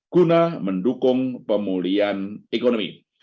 guna mendukung pemulihan ekonomi